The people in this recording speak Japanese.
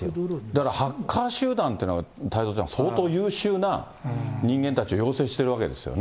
だからハッカー集団っていうのが、太蔵ちゃん、相当優秀な人間たちを養成しているわけですよね。